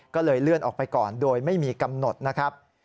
ก็เลยเลื่อนออกไปก่อนโดยไม่มีกำหนดนะครับ